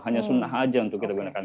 hanya sunnah saja untuk kita gunakan